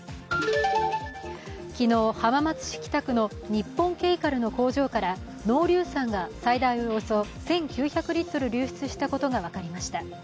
昨日、浜松市北区の日本ケイカルの工場から濃硫酸が最大およそ１９００リットル流出したことが分かりました。